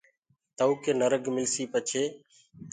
تئوٚ ڪي نرگ ملسيٚ۔ پڇي